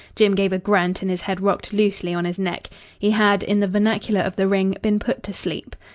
Jim gave a grunt and his head rocked loosely on his neck. He had, in the vernacular of the ring, been put to sleep.